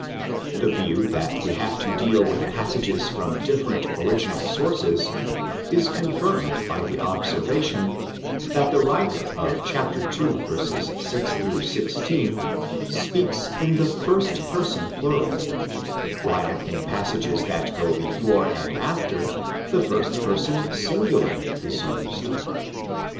The view that we have to deal with passages from different original sources is confirmed by the observation that the writer of ii. 6 16 speaks in the first person plural, while in the passages that go before and after the first person singular is used.